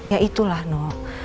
ya itulah nno